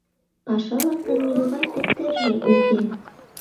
Пашалан гын нимогай тептерже уке.